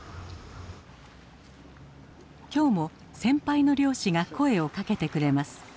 今日も先輩の漁師が声をかけてくれます。